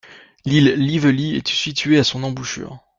L'île Lively est située à son embouchure.